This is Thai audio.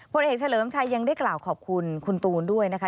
ผลเอกเฉลิมชัยยังได้กล่าวขอบคุณคุณตูนด้วยนะคะ